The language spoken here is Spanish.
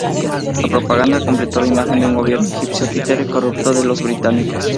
La propaganda completó la imagen de un gobierno egipcio títere corrupto de los británicos.